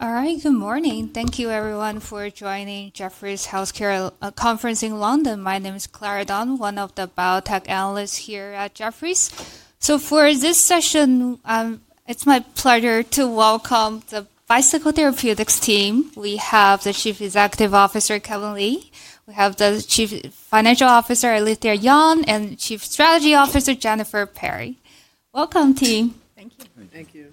All right, good morning. Thank you, everyone, for joining Jefferies Healthcare Conference in London. My name is Clara Dong, one of the biotech analysts here at Jefferies. For this session, it's my pleasure to welcome the Bicycle Therapeutics team. We have the Chief Executive Officer, Kevin Lee. We have the Chief Financial Officer, Alethia Young, and Chief Strategy Officer, Jennifer Perry. Welcome, team. Thank you. Thank you.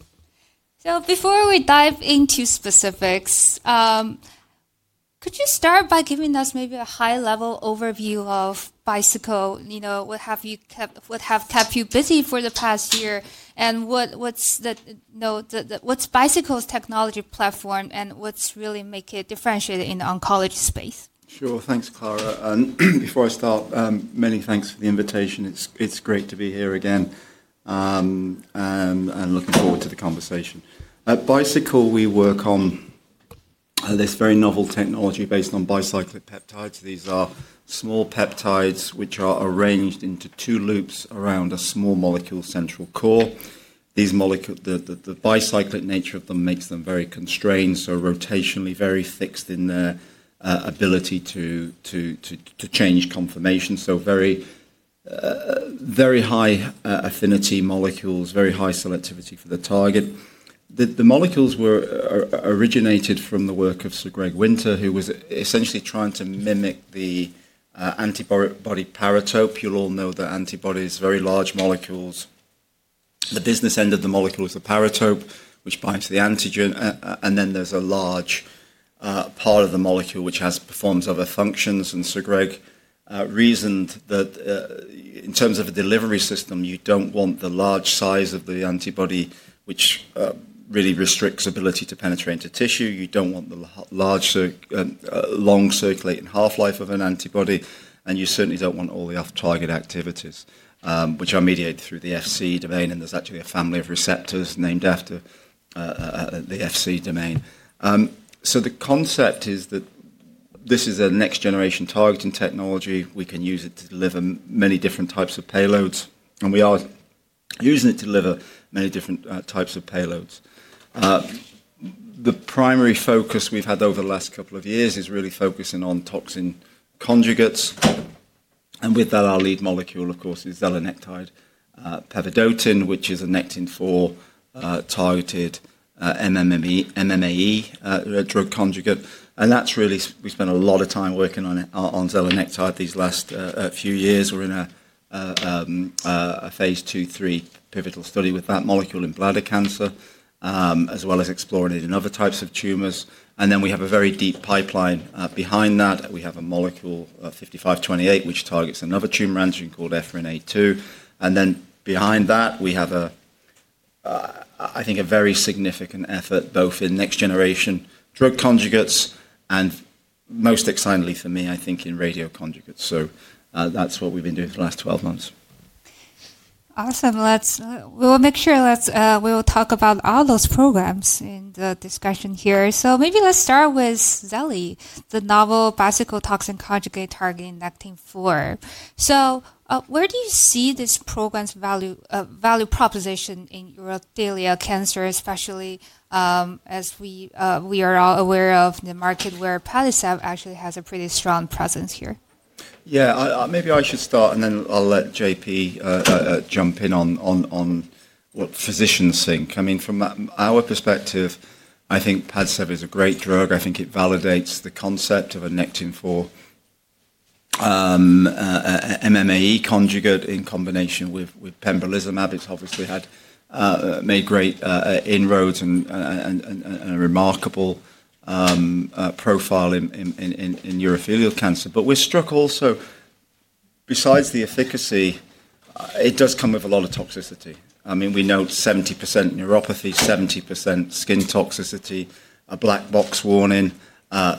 Before we dive into specifics, could you start by giving us maybe a high-level overview of Bicycle? What have kept you busy for the past year? What is Bicycle's technology platform, and what is really making it differentiated in the oncology space? Sure, thanks, Clara. Before I start, many thanks for the invitation. It's great to be here again, and looking forward to the conversation. At Bicycle, we work on this very novel technology based on bicyclic peptides. These are small peptides which are arranged into two loops around a small molecule central core. The bicyclic nature of them makes them very constrained, so rotationally very fixed in their ability to change conformation. Very high affinity molecules, very high selectivity for the target. The molecules were originated from the work of Sir Greg Winter, who was essentially trying to mimic the antibody paratope. You'll all know that antibody is very large molecules. The business end of the molecule is the paratope, which binds the antigen. There is a large part of the molecule which performs other functions. Sir Greg reasoned that in terms of a delivery system, you do not want the large size of the antibody, which really restricts the ability to penetrate into tissue. You do not want the long circulating half-life of an antibody. You certainly do not want all the off-target activities, which are mediated through the Fc domain. There is actually a family of receptors named after the Fc domain. The concept is that this is a next-generation targeting technology. We can use it to deliver many different types of payloads. We are using it to deliver many different types of payloads. The primary focus we have had over the last couple of years is really focusing on toxin conjugates. With that, our lead molecule, of course, is zelenectide pevedotin, which is a Nectin-4 targeted MMAE drug conjugate. That is really—we spent a lot of time working on zelenectide pevedotin these last few years. We are in a phase II, III pivotal study with that molecule in bladder cancer, as well as exploring it in other types of tumors. We have a very deep pipeline behind that. We have a molecule, BT5528, which targets another tumor antigen called EphA2. Behind that, we have, I think, a very significant effort, both in next-generation drug conjugates and, most excitingly for me, I think, in radio conjugates. That is what we have been doing for the last 12 months. Awesome. We'll make sure we'll talk about all those programs in the discussion here. Maybe let's start with zele, the novel Bicycle Toxin Conjugate targeting Nectin-4. Where do you see this program's value proposition in urothelial cancer, especially as we are all aware of the market where PADVEC actually has a pretty strong presence here? Yeah, maybe I should start, and then I'll let JP jump in on what physicians think. I mean, from our perspective, I think PADCEV is a great drug. I think it validates the concept of a Nectin-4 MMAE conjugate in combination with pembrolizumab. It's obviously made great inroads and a remarkable profile in urothelial cancer. I mean, we're struck also, besides the efficacy, it does come with a lot of toxicity. I mean, we note 70% neuropathy, 70% skin toxicity, a black box warning,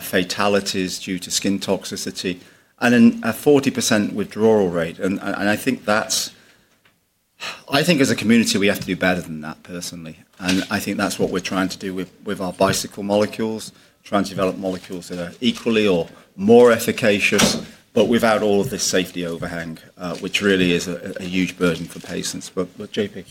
fatalities due to skin toxicity, and a 40% withdrawal rate. I think as a community, we have to do better than that, personally. I think that's what we're trying to do with our bicycle molecules, trying to develop molecules that are equally or more efficacious, but without all of this safety overhang, which really is a huge burden for patients. But JP?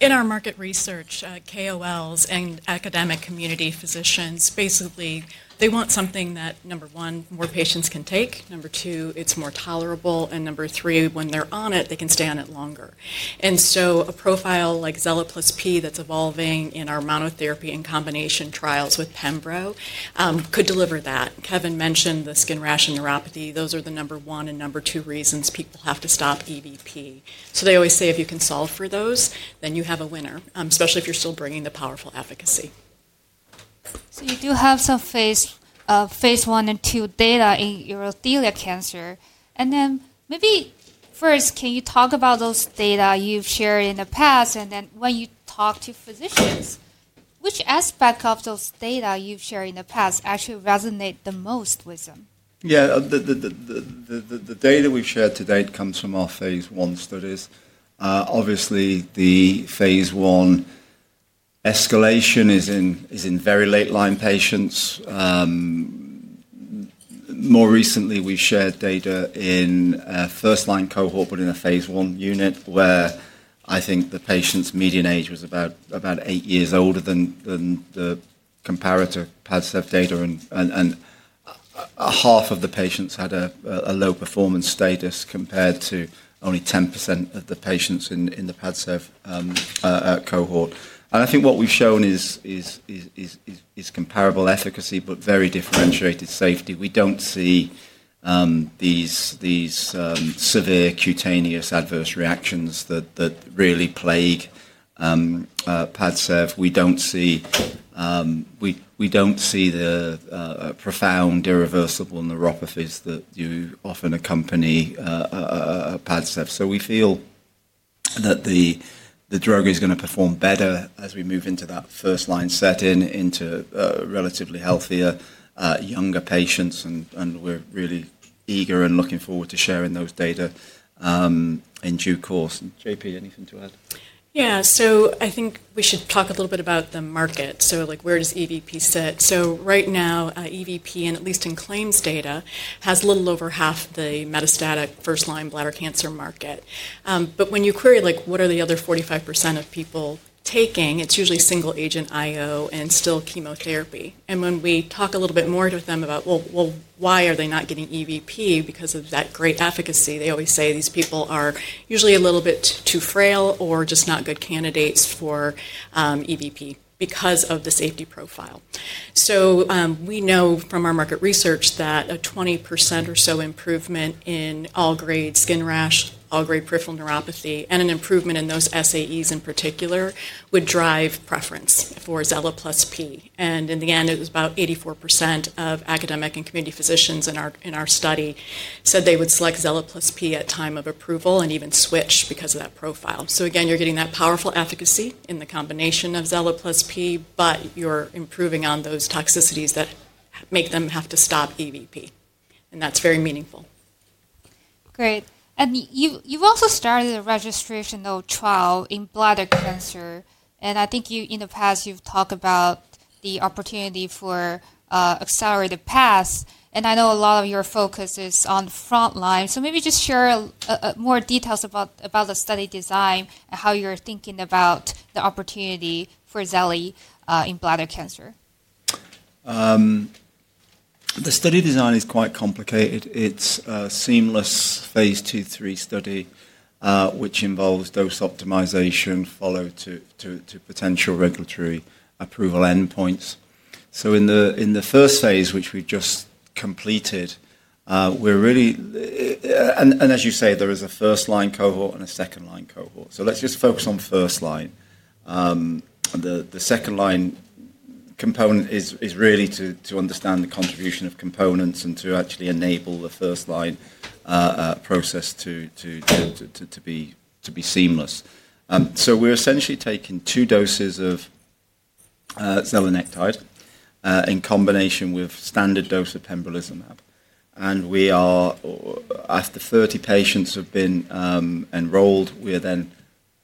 In our market research, KOLs and academic community physicians, basically, they want something that, number one, more patients can take. Number two, it's more tolerable. Number three, when they're on it, they can stay on it longer. A profile like zelenectide pevedotin that's evolving in our monotherapy in combination trials with pembro could deliver that. Kevin mentioned the skin rash and neuropathy. Those are the number one and number two reasons people have to stop EVP. They always say, if you can solve for those, then you have a winner, especially if you're still bringing the powerful efficacy. You do have some phase I and II data in urothelial cancer. Maybe first, can you talk about those data you've shared in the past? When you talk to physicians, which aspect of those data you've shared in the past actually resonates the most with them? Yeah, the data we've shared to date comes from our phase I studies. Obviously, the phase I escalation is in very late-line patients. More recently, we've shared data in a first-line cohort, but in a phase I unit, where I think the patient's median age was about eight years older than the comparative PADCEV data. Half of the patients had a low performance status compared to only 10% of the patients in the PADCEV cohort. I think what we've shown is comparable efficacy, but very differentiated safety. We don't see these severe cutaneous adverse reactions that really plague PADCEV. We don't see the profound irreversible neuropathies that often accompany PADCEV. We feel that the drug is going to perform better as we move into that first-line setting into relatively healthier, younger patients. We're really eager and looking forward to sharing those data in due course. JP, anything to add? Yeah, so I think we should talk a little bit about the market. Where does EVP sit? Right now, EVP, and at least in claims data, has a little over half the metastatic first-line bladder cancer market. When you query what are the other 45% of people taking, it's usually single-agent IO and still chemotherapy. When we talk a little bit more with them about, well, why are they not getting EVP because of that great efficacy, they always say these people are usually a little bit too frail or just not good candidates for EVP because of the safety profile. We know from our market research that a 20% or so improvement in all-grade skin rash, all-grade peripheral neuropathy, and an improvement in those SAEs in particular would drive preference for Zele Plus P. In the end, it was about 84% of academic and community physicians in our study said they would select Zele Plus P at time of approval and even switch because of that profile. Again, you're getting that powerful efficacy in the combination of Zele Plus P, but you're improving on those toxicities that make them have to stop EVP. That's very meaningful. Great. You have also started a registration trial in bladder cancer. I think in the past, you have talked about the opportunity for accelerated paths. I know a lot of your focus is on frontline. Maybe just share more details about the study design and how you are thinking about the opportunity for zele in bladder cancer. The study design is quite complicated. It's a seamless phase II, III study, which involves dose optimization followed to potential regulatory approval endpoints. In the first phase, which we've just completed, we're really—and as you say, there is a first-line cohort and a second-line cohort. Let's just focus on first-line. The second-line component is really to understand the contribution of components and to actually enable the first-line process to be seamless. We're essentially taking two doses of zelenectide in combination with a standard dose of pembrolizumab. After 30 patients have been enrolled, we are then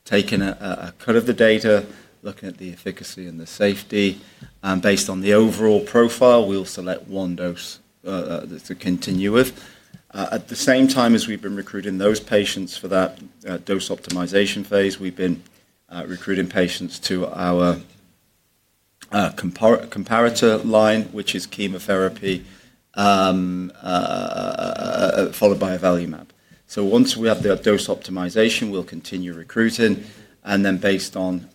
taking a cut of the data, looking at the efficacy and the safety. Based on the overall profile, we'll select one dose to continue with. At the same time as we've been recruiting those patients for that dose optimization phase, we've been recruiting patients to our comparator line, which is chemotherapy, followed by a nivolumab. Once we have the dose optimization, we'll continue recruiting. Based on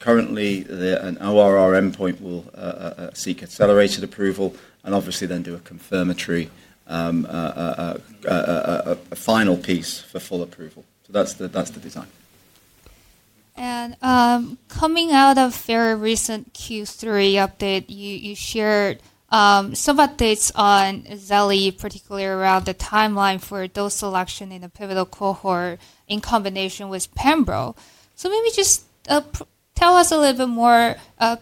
currently, an ORR endpoint will seek accelerated approval, and obviously then do a confirmatory final piece for full approval. That's the design. Coming out of a very recent Q3 update, you shared some updates on zele, particularly around the timeline for dose selection in the pivotal cohort in combination with pembro. Maybe just tell us a little bit more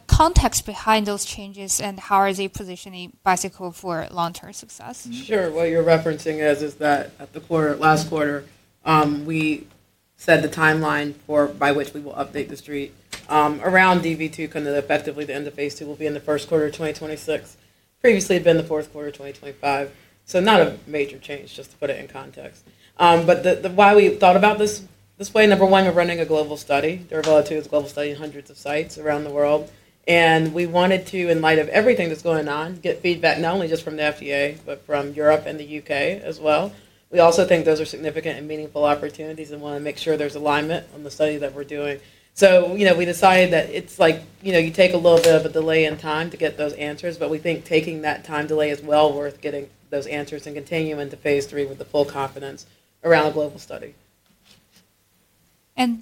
context behind those changes and how are they positioning Bicycle for long-term success? Sure. What you're referencing is that at the last quarter, we set the timeline by which we will update the street around DV-2, kind of effectively the end of phase II will be in the first quarter of 2026. Previously, it had been the fourth quarter of 2025. Not a major change, just to put it in context. Why we thought about this way, number one, we're running a global study. Duravelo-2 is a global study in hundreds of sites around the world. We wanted to, in light of everything that's going on, get feedback not only just from the FDA, but from Europe and the U.K. as well. We also think those are significant and meaningful opportunities and want to make sure there's alignment on the study that we're doing. We decided that it's like you take a little bit of a delay in time to get those answers. But we think taking that time delay is well worth getting those answers and continuing into phase three with the full confidence around the global study.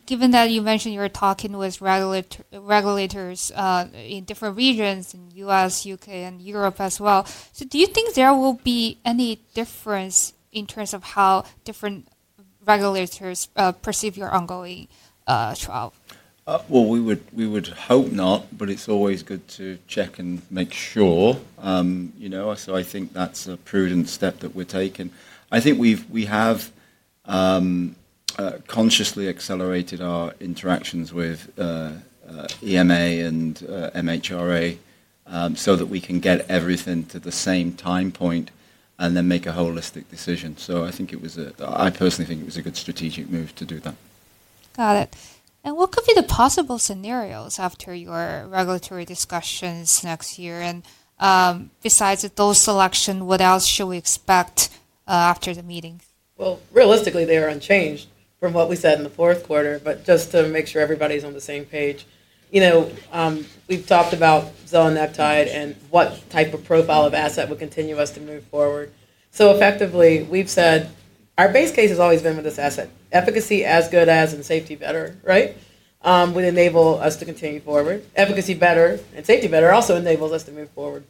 Given that you mentioned you were talking with regulators in different regions, in the U.S., U.K., and Europe as well, do you think there will be any difference in terms of how different regulators perceive your ongoing trial? We would hope not, but it's always good to check and make sure. I think that's a prudent step that we're taking. I think we have consciously accelerated our interactions with EMA and MHRA so that we can get everything to the same time point and then make a holistic decision. I think it was a—I personally think it was a good strategic move to do that. Got it. What could be the possible scenarios after your regulatory discussions next year? Besides the dose selection, what else should we expect after the meeting? Realistically, they are unchanged from what we said in the fourth quarter. Just to make sure everybody's on the same page, we've talked about zelenectide and what type of profile of asset would continue us to move forward. Effectively, we've said our base case has always been with this asset: efficacy as good as and safety better, right? Would enable us to continue forward. Efficacy better and safety better also enables us to move forward.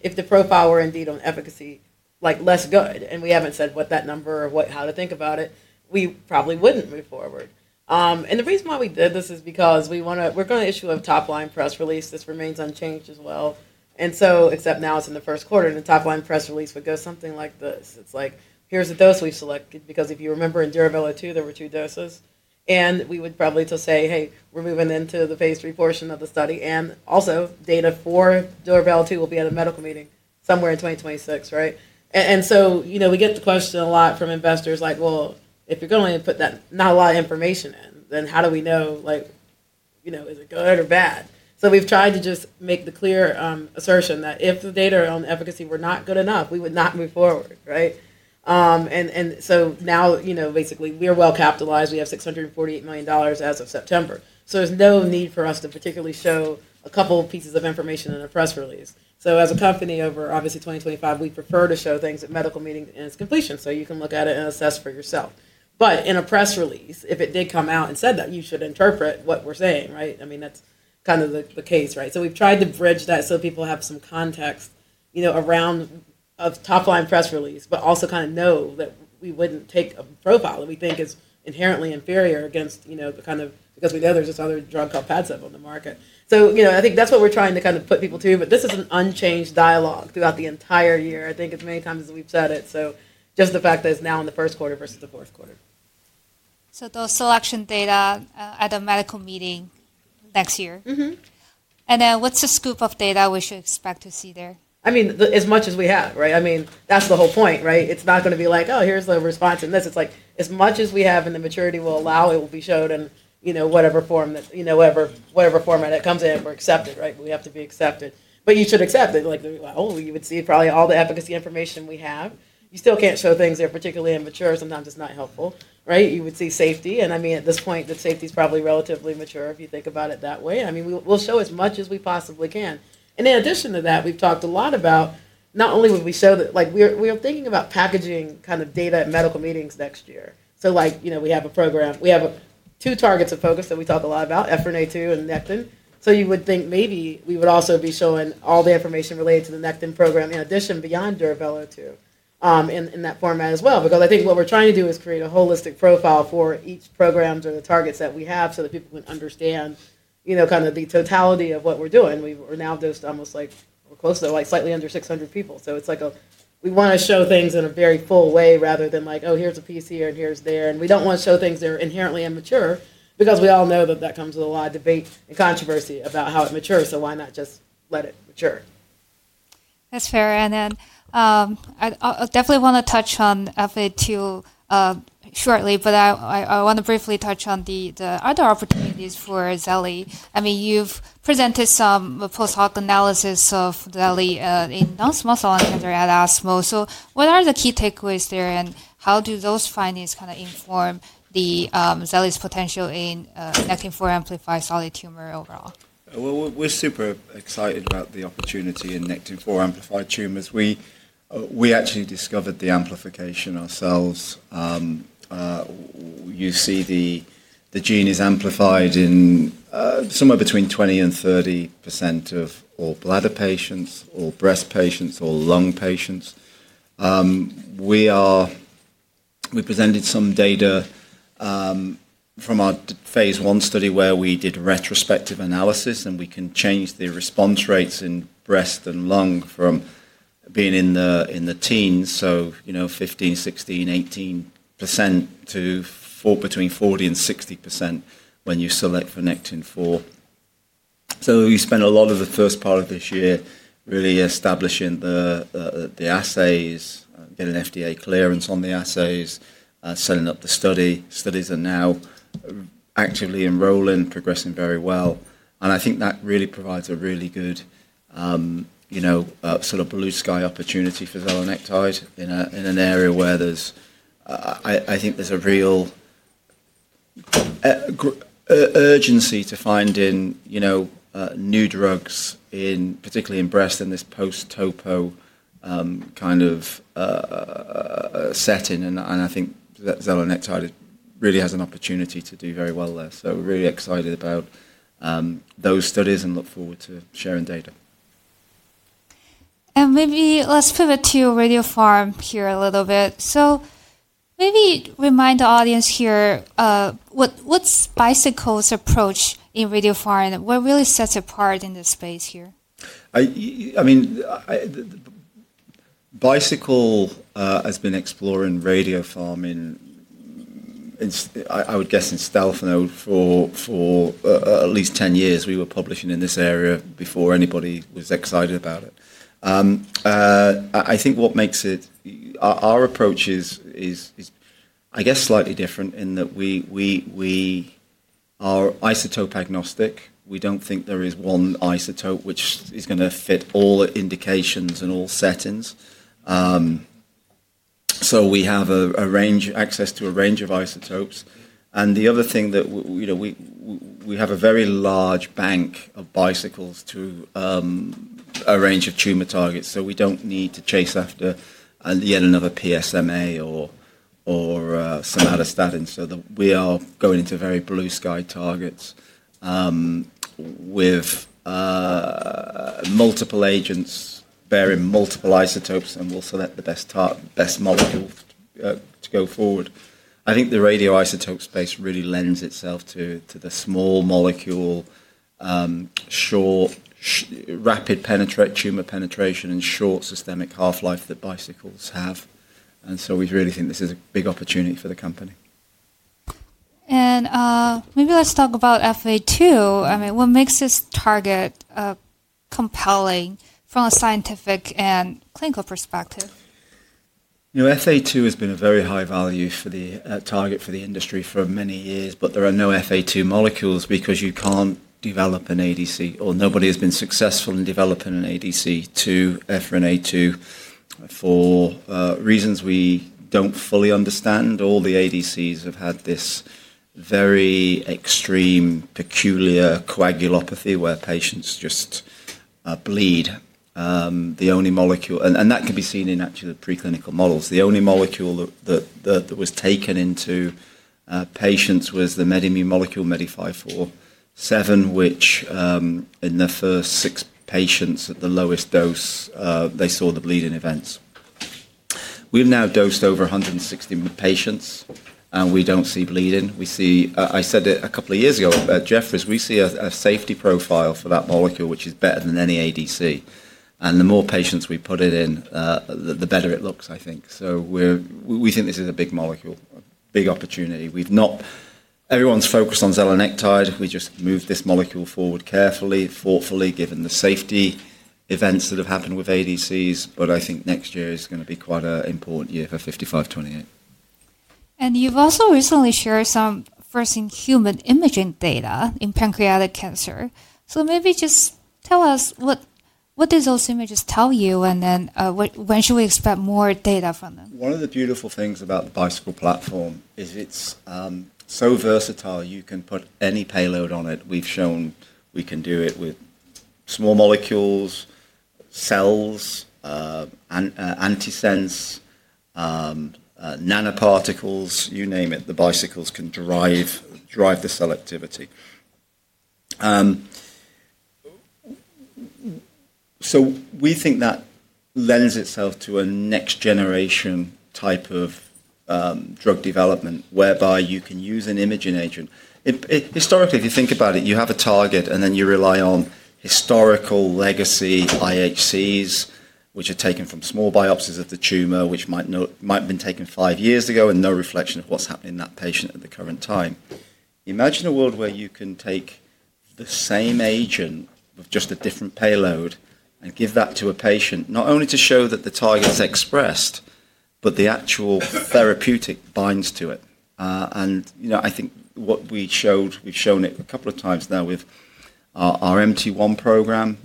If the profile were indeed on efficacy, like less good, and we haven't said what that number or how to think about it, we probably wouldn't move forward. The reason why we did this is because we're going to issue a top-line press release. This remains unchanged as well. Except now it's in the first quarter, and the top-line press release would go something like this. It's like, here's the dose we've selected. Because if you remember in Duravelo-2, there were two doses. We would probably just say, hey, we're moving into the phase three portion of the study. Also, data for Duravelo-2 will be at a medical meeting somewhere in 2026, right? We get the question a lot from investors, like, well, if you're going to put that not a lot of information in, then how do we know is it good or bad? We've tried to just make the clear assertion that if the data on efficacy were not good enough, we would not move forward, right? Now, basically, we are well capitalized. We have $648 million as of September. There's no need for us to particularly show a couple of pieces of information in a press release. As a company over, obviously, 2025, we prefer to show things at medical meetings and its completion. You can look at it and assess for yourself. In a press release, if it did come out and said that, you should interpret what we're saying, right? I mean, that's kind of the case, right? We've tried to bridge that so people have some context around a top-line press release, but also kind of know that we wouldn't take a profile that we think is inherently inferior against the kind of—because we know there's this other drug called PADCEV on the market. I think that's what we're trying to kind of put people to. This is an unchanged dialogue throughout the entire year. I think as many times as we've said it. Just the fact that it's now in the first quarter versus the fourth quarter. Those selection data at a medical meeting next year. What is the scope of data we should expect to see there? I mean, as much as we have, right? I mean, that's the whole point, right? It's not going to be like, oh, here's the response in this. It's like, as much as we have and the maturity will allow, it will be showed in whatever format it comes in. We're accepted, right? We have to be accepted. You should accept it. Oh, you would see probably all the efficacy information we have. You still can't show things that are particularly immature. Sometimes it's not helpful, right? You would see safety. I mean, at this point, the safety is probably relatively mature if you think about it that way. I mean, we'll show as much as we possibly can. In addition to that, we've talked a lot about not only would we show that, we are thinking about packaging kind of data at medical meetings next year. We have a program. We have two targets of focus that we talk a lot about: EphA2 and Nectin. You would think maybe we would also be showing all the information related to the Nectin program in addition beyond Duravelo-2 in that format as well. I think what we're trying to do is create a holistic profile for each program to the targets that we have so that people can understand kind of the totality of what we're doing. We're now just almost like we're close to slightly under 600 people. We want to show things in a very full way rather than like, oh, here's a piece here and here's there. We do not want to show things that are inherently immature because we all know that that comes with a lot of debate and controversy about how it matures. Why not just let it mature? That's fair. I definitely want to touch on EphA2 shortly, but I want to briefly touch on the other opportunities for zele. I mean, you've presented some post-hoc analysis of zele in non-small cell lung cancer and asthma. What are the key takeaways there? How do those findings kind of inform zele's potential in Nectin-4 amplified solid tumor overall? We're super excited about the opportunity in Nectin-4 amplified tumors. We actually discovered the amplification ourselves. You see the gene is amplified in somewhere between 20%-30% of all bladder patients, all breast patients, all lung patients. We presented some data from our phase one study where we did retrospective analysis, and we can change the response rates in breast and lung from being in the teens, so 15%, 16%, 18% to between 40%-60% when you select for Nectin-4. We spent a lot of the first part of this year really establishing the assays, getting FDA clearance on the assays, setting up the study. Studies are now actively enrolling, progressing very well. I think that really provides a really good sort of blue sky opportunity for zelenectide in an area where there is, I think, a real urgency to finding new drugs, particularly in breast and this post-Topo kind of setting. I think zelenectide really has an opportunity to do very well there. We are really excited about those studies and look forward to sharing data. Maybe let's pivot to radio pharma here a little bit. Maybe remind the audience here, what's Bicycle's approach in Radio Farm? What really sets it apart in this space here? I mean, Bicycle has been exploring radio pharma in, I would guess, in stealth mode for at least 10 years. We were publishing in this area before anybody was excited about it. I think what makes it—our approach is, I guess, slightly different in that we are isotope agnostic. We do not think there is one isotope which is going to fit all indications and all settings. We have access to a range of isotopes. The other thing is that we have a very large bank of Bicycles to a range of tumor targets. We do not need to chase after yet another PSMA or some other statins. We are going into very blue sky targets with multiple agents bearing multiple isotopes, and we will select the best molecule to go forward. I think the radio isotope space really lends itself to the small molecule, short, rapid tumor penetration, and short systemic half-life that Bicycles have. We really think this is a big opportunity for the company. Maybe let's talk about EphA2. I mean, what makes this target compelling from a scientific and clinical perspective? EphA2 has been a very high value target for the industry for many years, but there are no EphA2 molecules because you can't develop an ADC, or nobody has been successful in developing an ADC to EphA2 for reasons we don't fully understand. All the ADCs have had this very extreme, peculiar coagulopathy where patients just bleed. The only molecule—and that can be seen in actually the preclinical models—the only molecule that was taken into patients was the MEDI molecule MEDI-547, which in the first six patients at the lowest dose, they saw the bleeding events. We've now dosed over 160 patients, and we don't see bleeding. We see—I said it a couple of years ago at Jefferies—we see a safety profile for that molecule, which is better than any ADC. The more patients we put it in, the better it looks, I think. We think this is a big molecule, a big opportunity. Everyone's focused on zelenectide. We just moved this molecule forward carefully, thoughtfully, given the safety events that have happened with ADCs. I think next year is going to be quite an important year for BT5528. You've also recently shared some first-in-human imaging data in pancreatic cancer. Maybe just tell us, what do those images tell you, and then when should we expect more data from them? One of the beautiful things about the Bicycle platform is it's so versatile. You can put any payload on it. We've shown we can do it with small molecules, cells, antisense, nanoparticles, you name it. The Bicycles can drive the cell activity. We think that lends itself to a next-generation type of drug development whereby you can use an imaging agent. Historically, if you think about it, you have a target, and then you rely on historical legacy IHCs, which are taken from small biopsies of the tumor, which might have been taken five years ago and no reflection of what's happening in that patient at the current time. Imagine a world where you can take the same agent with just a different payload and give that to a patient, not only to show that the target's expressed, but the actual therapeutic binds to it. I think what we showed—we've shown it a couple of times now with our MT1 program.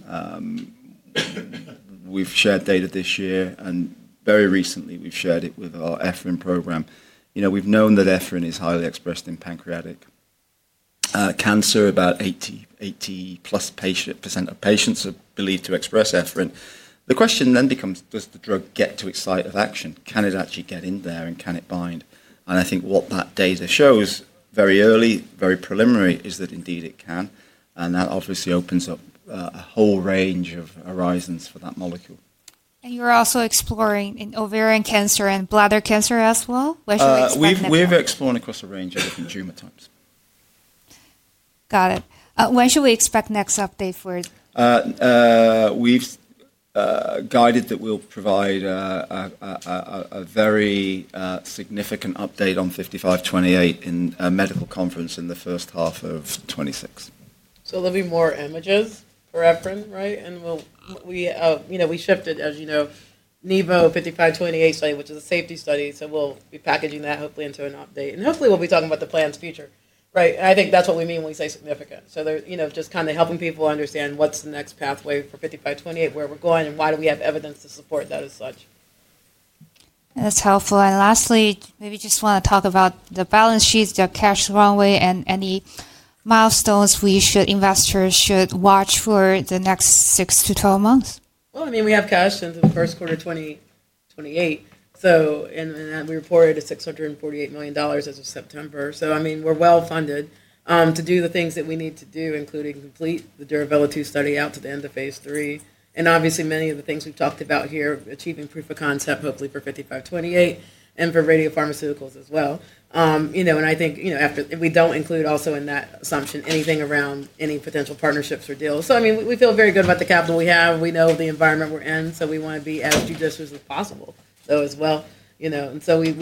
We've shared data this year, and very recently, we've shared it with our EphA2 program. We've known that EphA2 is highly expressed in pancreatic cancer. About 80% of patients are believed to express EphA2. The question then becomes, does the drug get to its site of action? Can it actually get in there, and can it bind? I think what that data shows very early, very preliminary, is that indeed it can. That obviously opens up a whole range of horizons for that molecule. You're also exploring ovarian cancer and bladder cancer as well? We've explored across a range of different tumor types. Got it. When should we expect next update for? We've guided that we'll provide a very significant update on BT5528 in a medical conference in the first half of 2026. There'll be more images for EphA2, right? We shifted, as you know, the BT5528 study, which is a safety study. We'll be packaging that hopefully into an update. Hopefully, we'll be talking about the planned future, right? I think that's what we mean when we say significant. Just kind of helping people understand what's the next pathway for BT5528, where we're going, and why we have evidence to support that as such. That's helpful. Lastly, maybe just want to talk about the balance sheet, the cash runway, and any milestones investors should watch for the next six to 12 months? I mean, we have cash into the first quarter of 2028. We reported $648 million as of September. I mean, we're well funded to do the things that we need to do, including complete the Duravelo-2 study out to the end of phase III. Obviously, many of the things we've talked about here, achieving proof of concept, hopefully for BT5528 and for radio pharmaceuticals as well. I think if we do not include also in that assumption anything around any potential partnerships or deals. I mean, we feel very good about the capital we have. We know the environment we're in. We want to be as judicious as possible though as well. We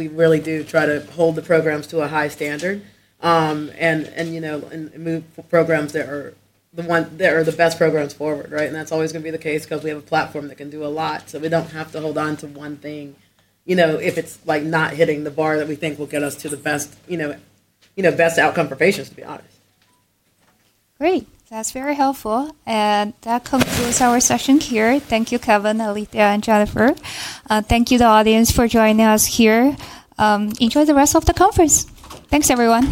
really do try to hold the programs to a high standard and move programs that are the best programs forward, right? That is always going to be the case because we have a platform that can do a lot. We do not have to hold on to one thing if it is not hitting the bar that we think will get us to the best outcome for patients, to be honest. Great. That is very helpful. That concludes our session here. Thank you, Kevin, Alethia, and Jennifer. Thank you to the audience for joining us here. Enjoy the rest of the conference. Thanks, everyone.